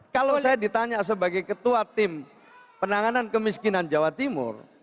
kalau saya ditanya sebagai ketua tim penanganan kemiskinan jawa timur